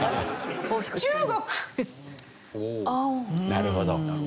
なるほど。